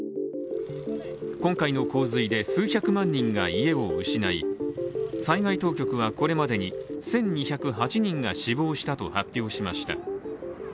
今回の洪水で数百万人が家を失い災害当局はこれまでに１２０８人が死亡したと発表しました。